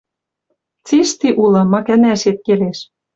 Цишти улы, ма кӓнӓшет келеш